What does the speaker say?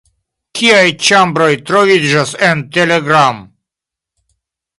Kiaj ĉambroj troviĝas en Telegram?